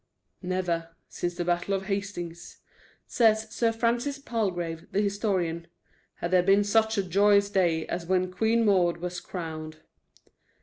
"Never, since the battle of Hastings," says Sir Francis Palgrave, the historian, "had there been such a joyous day as when Queen Maud was crowned."